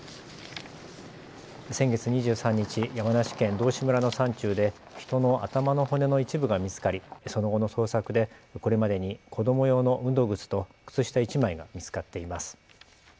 先月２３日、山梨県道志村の山中で人の頭の骨の一部が見つかりその後の捜索でこれまでに子ども用の運動靴と靴下１枚が見つかっています。